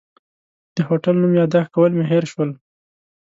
د هوټل نوم یاداښت کول مې هېر شول.